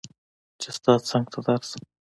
چې ستا څنګ ته درشم